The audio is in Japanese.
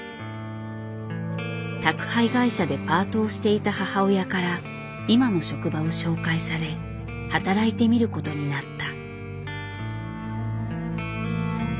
宅配会社でパートをしていた母親から今の職場を紹介され働いてみることになった。